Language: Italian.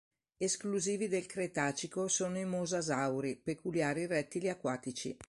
Esclusivi del Cretacico sono i mosasauri, peculiari rettili acquatici..